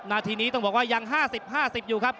นาทีนี้ต้องบอกว่ายัง๕๐๕๐อยู่ครับ